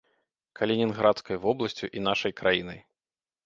Калінінградскай вобласцю і нашай краінай.